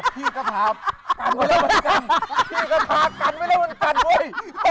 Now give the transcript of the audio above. พี่ก็พากันมากว่างไก่